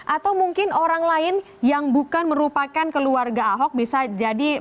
atau mungkin orang lain yang bukan merupakan keluarga ahok bisa jadi